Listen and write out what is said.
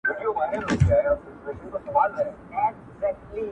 او دا د وخت په تېریدولو سره